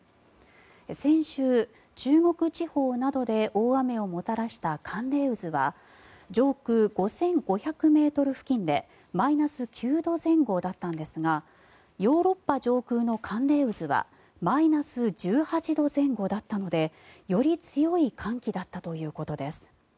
先週、中国地方などで大雨をもたらした寒冷渦は上空５５００ｍ付近でマイナス９度前後だったんですがヨーロッパ上空の寒冷渦はマイナス１８度前後だったのでより強い寒気だったということです。